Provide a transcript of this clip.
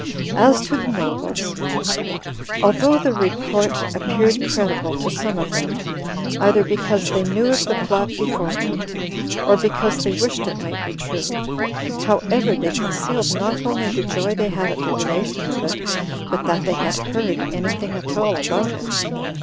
As to the nobles, although the report appeared credible to some of them, either because they knew of the plot beforehand, or because they wished it might be true; however, they concealed not only the joy they had at the relation of it, but that they had heard any thing at all about it.